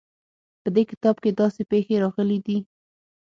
په دې کتاب کې داسې پېښې راغلې دي.